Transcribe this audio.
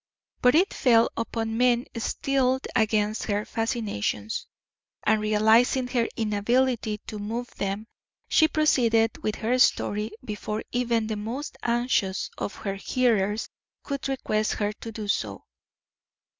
But it fell upon men steeled against her fascinations, and realising her inability to move them, she proceeded with her story before even the most anxious of her hearers could request her to do so.